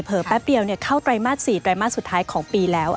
แป๊บเดียวเข้าไตรมาส๔ไตรมาสสุดท้ายของปีแล้ว